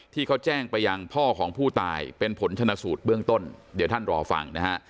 ที่เขาแจ้งไปยังพ่อของผู้ตายเป็นผลชนะสูตรเบื้องต้นเดี๋ยวท่านรอฟังนะฮะ